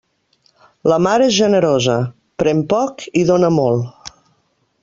La mar és generosa: pren poc i dóna molt.